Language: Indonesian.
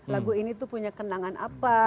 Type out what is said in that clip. lagu ini tuh punya kenangan apa